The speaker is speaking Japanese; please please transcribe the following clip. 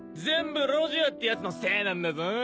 全部ロジャーってやつのせいなんだぞ